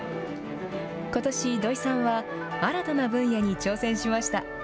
ことし、土井さんは新たな分野に挑戦しました。